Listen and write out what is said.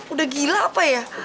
udah gila apa ya